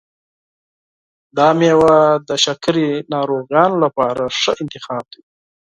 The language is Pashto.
دا میوه د شکرې ناروغانو لپاره ښه انتخاب دی.